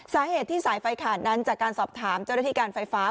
สาเหตุที่สายไฟขาดนั้นจากการสอบถามเจ้าหน้าที่การไฟฟ้า